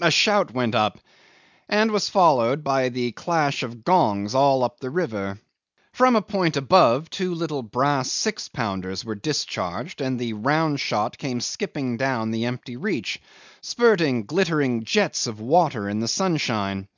A shout went up, and was followed by a clash of gongs all up the river. From a point above two little brass 6 pounders were discharged, and the round shot came skipping down the empty reach, spurting glittering jets of water in the sunshine.